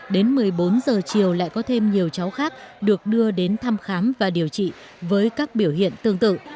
đến một mươi bốn giờ chiều lại có thêm nhiều cháu khác được đưa đến thăm khám và điều trị với các biểu hiện tương tự